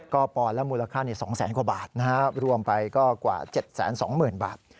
ก็ปอนและมูลค่า๒๐๐๐๐๐กว่าบาทรวมไปกว่า๗๒๐๐๐๐บาท